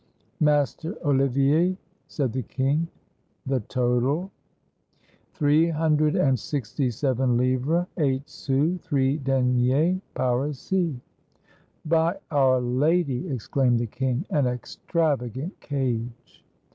"Master Olivier," said the king, "the total?" "Three hundred and sixty seven livres, eight sous, three deniers parisis." " By our Lady!" exclaimed the king, " an extravagant cage."